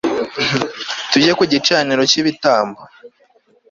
tujye ku gicaniro cy'ibitambo